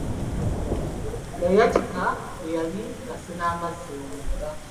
Yayatika bwe yali asena amazzi mu mugga.